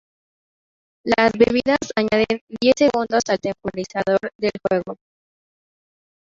Las bebidas añaden diez segundos al temporizador del juego.